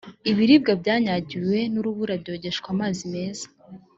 ibiribwa byanyagiwe nurubura byogeshwa amazi meza